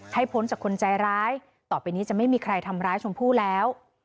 พ้นจากคนใจร้ายต่อไปนี้จะไม่มีใครทำร้ายชมพู่แล้ว